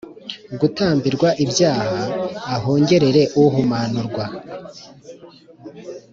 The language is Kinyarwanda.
gutambirwa ibyaha ahongerere uhumanurwa.